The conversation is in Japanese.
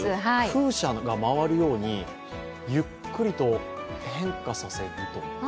風車が回るように、ゆっくりと変化させると。